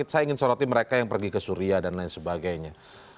saya ingin soroti mereka yang pergi ke suria dan lain sebagainya